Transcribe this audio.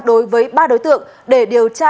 đối với ba đối tượng để điều tra